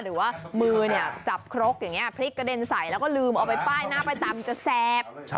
หรือว่ามือจับครกอย่างนี้พลิกกระเด็นใสแล้วก็ลืมเอาไปป้ายหน้าไปตำจะแสบ